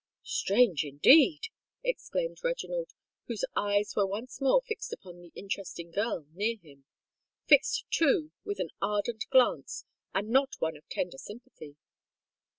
"Strange indeed!" exclaimed Reginald, whose eyes were once more fixed upon the interesting girl near him,—fixed, too, with an ardent glance, and not one of tender sympathy.